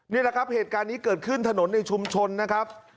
นี่แหละครับเหตุการณ์นี้เกิดขึ้นถนนในชุมชนนะครับ